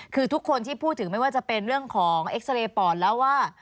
คือทุกคนที่พูดถึงไม่ว่าจะเป็นเรื่องของเอ็กซาเรย์ปอดแล้วว่า